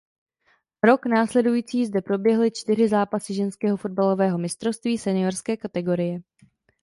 Rok následující zde proběhly čtyři zápasy ženského fotbalového mistrovství seniorské kategorie.